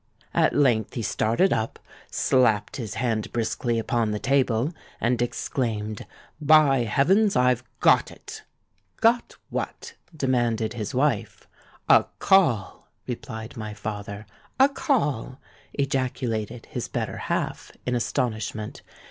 At length he started up, slapped his hand briskly upon the table, and exclaimed, 'By heavens, I've got it!'—'Got what?' demanded his wife.—'A call!' replied my father.—'A call!' ejaculated his better half, in astonishment.